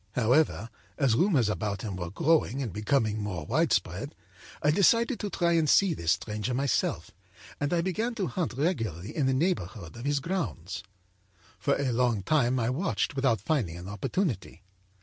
âHowever, as rumors about him were growing and becoming more widespread, I decided to try to see this stranger myself, and I began to hunt regularly in the neighborhood of his grounds. âFor a long time I watched without finding an opportunity.